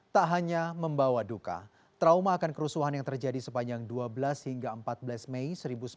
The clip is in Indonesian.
tak hanya membawa duka trauma akan kerusuhan yang terjadi sepanjang dua belas hingga empat belas mei seribu sembilan ratus empat puluh